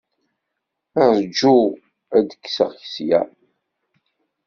Ṛju ad t-kkseɣ ssya.